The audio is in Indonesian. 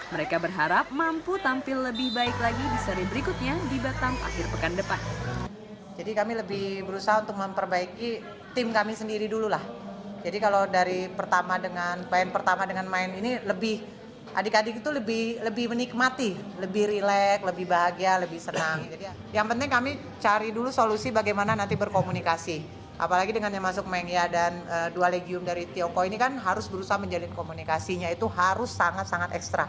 mereka berharap mampu tampil lebih baik lagi di seri berikutnya di batang akhir pekan depan